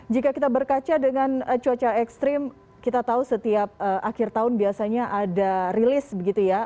jika kita berkaca dengan cuaca ekstrim kita tahu setiap akhir tahun biasanya ada rilis begitu ya